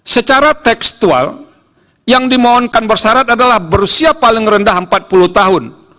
secara tekstual yang dimohonkan bersarat adalah berusia paling rendah empat puluh tahun